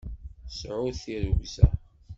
Sɛut tirrugza!